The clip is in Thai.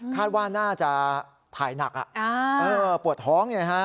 คาดว่าน่าจะถ่ายหนักปวดท้องไงฮะ